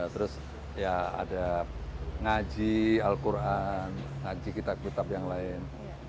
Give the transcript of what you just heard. terus ya ada ngaji al quran ngaji kitab kitab yang lain